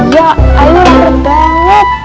ya ayu lapar banget